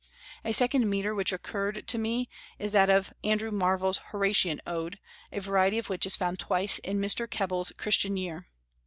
A second metre which occurred to me is that of Andrew Marvel's Horatian Ode, a variety of which is found twice in Mr. Keble's Christian Year.